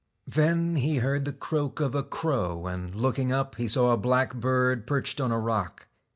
Then he heard the croak of a crow, and looking up, he saw a black bird perched on a rock.